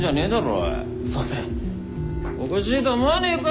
おかしいと思わねえか？